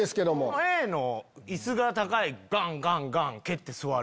Ａの椅子が高いガンガンガン蹴って座る。